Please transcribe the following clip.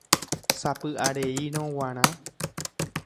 sapy'areírõ g̃uarã